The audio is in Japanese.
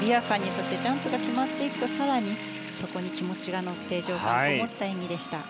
そしてジャンプが決まっていくと更に、そこに気持ちが乗って情感のこもった演技でした。